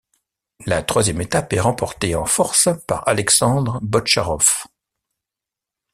La troisième étape est remportée en force par Alexandre Botcharov.